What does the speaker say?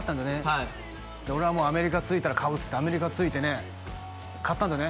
はいで俺はもうアメリカ着いたら買うっつってアメリカ着いてね買ったんだよね